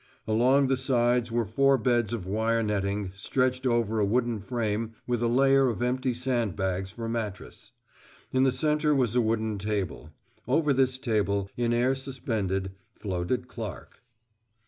Along the sides were four beds of wire netting stretched over a wooden frame with a layer of empty sand bags for mattress. In the centre was a wooden table. Over this table, in air suspended, floated Clark.